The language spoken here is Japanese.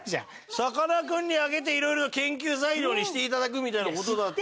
さかなクンにあげていろいろと研究材料にしていただくみたいな事だって。